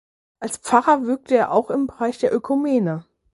Als Pfarrer wirkte er auch im Bereich der Ökumene.